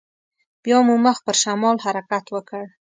بيا مو مخ پر شمال حرکت وکړ.